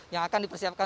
yang akan dipersiapkan